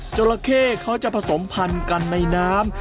จราเข้เขาจะผสมพันธุ์กันในน้ำ